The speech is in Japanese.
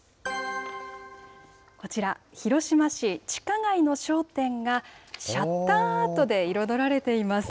こちら、広島市、地下街の商店がシャッターアートで彩られています。